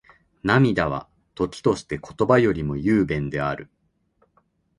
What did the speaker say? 涙は、時として言葉よりも雄弁である。